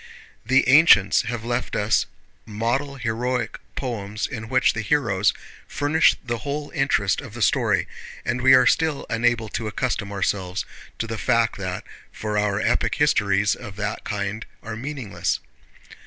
The ancients have left us model heroic poems in which the heroes furnish the whole interest of the story, and we are still unable to accustom ourselves to the fact that for our epoch histories of that kind are meaningless.